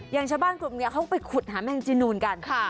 อย่างชาวบ้านกลุ่มนี้เขาไปขุดหาแมงจีนูนกัน